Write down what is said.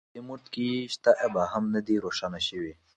په دې مورد کې شته ابهام نه دی روښانه شوی